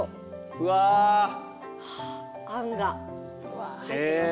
うわ！はああんが入ってます。